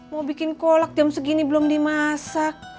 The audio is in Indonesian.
mau bikin kolak jam segini belum dimasak